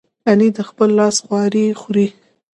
علي د خپل لاس خواري خوري.